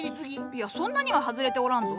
いやそんなには外れておらんぞ。